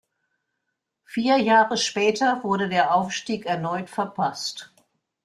Vier Jahre später wurde der Aufstieg erneut verpasst.